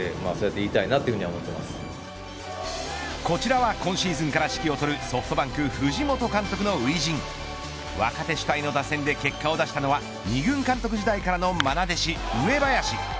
こちらは今シーズンから指揮を執る、ソフトバンク藤本監督の初陣。若手主体の打線で結果を出したのは２軍監督時代からのまな弟子上林。